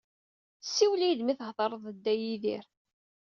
Siwel-iyi-d mi thedreḍ d Dda Yidir.